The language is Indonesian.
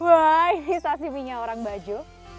wah ini sashiminya orang baju